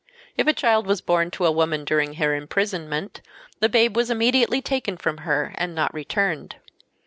If a child was born to a woman during her imprisonment the babe was immediately taken from her and not returned.